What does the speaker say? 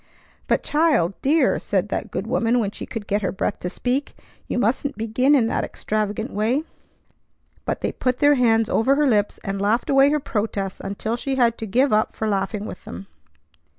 "But child! Dear!" said that good woman when she could get her breath to speak. "You mustn't begin in that extravagant way!" But they put their hands over her lips, and laughed away her protests until she had to give up for laughing with them.